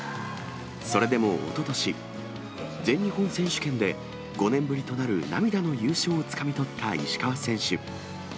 それでもおととし、全日本選手権で５年ぶりとなる涙の優勝をつかみ取った石川選手。